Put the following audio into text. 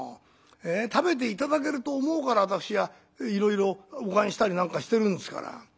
食べて頂けると思うから私はいろいろお燗したり何かしてるんですから。